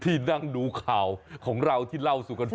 ที่นั่งดูข่าวของเราที่เล่าสู่กันฟัง